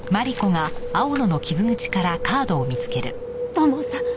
土門さん